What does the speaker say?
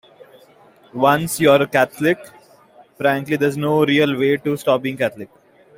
Once you've started Catholic, frankly, there's no real way to stop being Catholic.